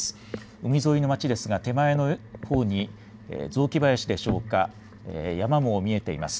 海沿いの街ですが手前のほうに雑木林でしょうか、山も見えています。